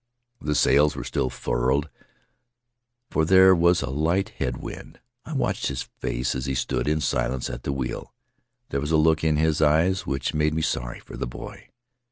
The sails were still furled, for there was a light head wind. I watched his face as he stood in silence at the wheel; there was a look in his eyes which made me sorry for the boy.